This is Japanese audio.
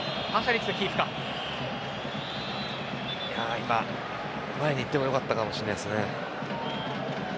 今、前に行っても良かったかもしれないですね。